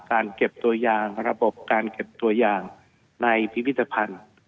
การเก็บตัวยางระบบการเก็บตัวอย่างในพิพิธภัณฑ์